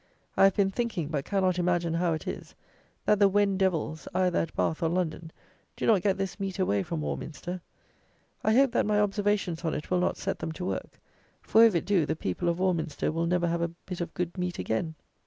I have been thinking, but cannot imagine how it is, that the Wen Devils, either at Bath or London, do not get this meat away from Warminster. I hope that my observations on it will not set them to work; for, if it do, the people of Warminster will never have a bit of good meat again.